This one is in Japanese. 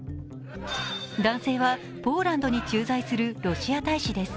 男性はポーランドに駐在するロシア大使です。